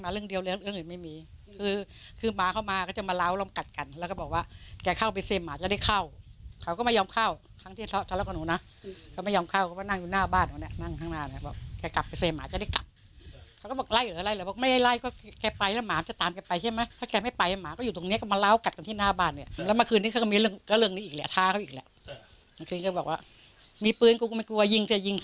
และอย่างบอกว่ามีปืนก็ไม่กลัวยิงเสร็จแบบนี้